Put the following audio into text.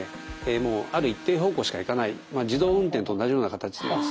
もうある一定方向しかいかない自動運転と同じような形でですね。